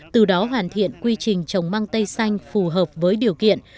từ đó hoàn thiện quy trình trồng măng tây xanh phù hợp với điều kiện